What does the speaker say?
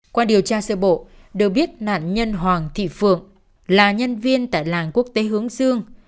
qua điều tra sơ bộ đều biết nạn nhân hoàng thị phượng là nhân viên tại làng quốc tế hướng dương